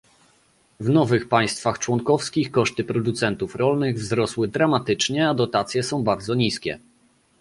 W nowych państwach członkowskich koszty producentów rolnych wzrosły dramatycznie, a dotacje są bardzo niskie